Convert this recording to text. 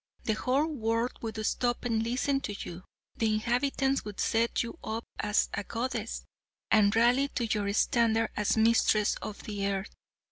The whole world would stop and listen to you. The inhabitants would set you up as a goddess, and rally to your standard as mistress of the earth.